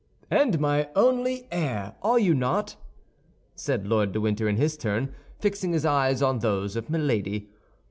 "And my only heir, are you not?" said Lord de Winter in his turn, fixing his eyes on those of Milady.